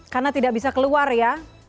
karena tidak bisa keluar ya